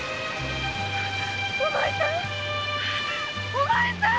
お前さん！